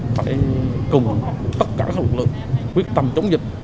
phải cùng tất cả các lực lượng quyết tâm chống dịch